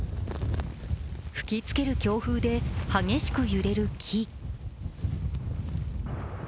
吹きつける強風で激しく揺れる木。